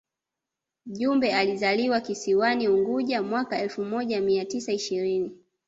Jumbe alizaliwa kisiwani Unguja mwaka elfu moja mia tisa ishirini